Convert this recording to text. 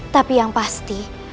tapi yang pasti